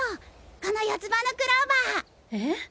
この四つ葉のクローバー！え？